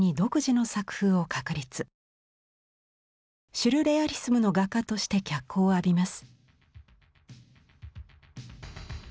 シュルレアリスムの画家として脚光を浴びます。